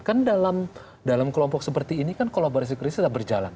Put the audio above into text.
kan dalam kelompok seperti ini kan kolaborasi krisis berjalan